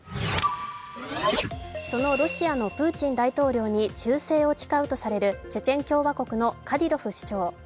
そのロシアのプーチン大統領に忠誠を誓うとされるチェチェン共和国のカディロフ首長。